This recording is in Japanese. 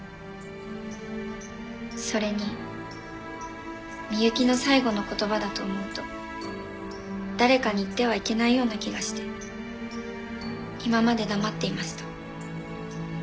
それに美雪の最後の言葉だと思うと誰かに言ってはいけないような気がして今まで黙っていました。